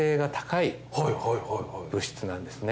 物質なんですね。